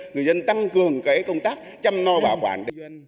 người dân tăng cường công tác chăm no bảo quản